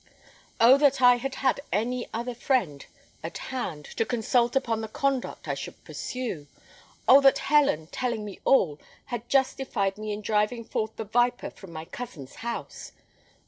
Oh, that I had had any other friend at hand to consult upon the conduct I should pursue! Oh, that Helen, telling me all, had justified me in driving forth the viper from my cousin's house!